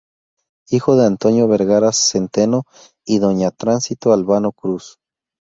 Hijo de "Antonio Vergara Zenteno" y doña "Tránsito Albano Cruz".